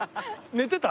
寝てた？